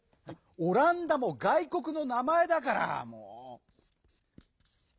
「オランダ」もがいこくの名まえだからもう。